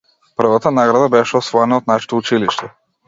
Првата награда беше освоена од нашето училиште.